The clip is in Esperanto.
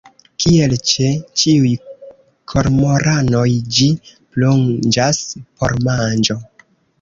Kiel ĉe ĉiuj kormoranoj ĝi plonĝas por manĝo.